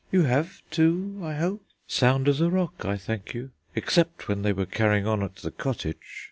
You have, too, I hope?" "Sound as a rock, I thank you, except when they were carrying on at the cottage."